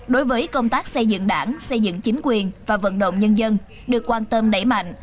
đối với công tác xây dựng đảng xây dựng chính quyền và vận động nhân dân được quan tâm đẩy mạnh